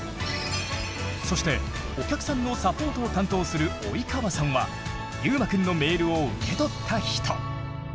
そしてお客さんのサポートを担当する及川さんはゆうまくんのメールを受け取った人。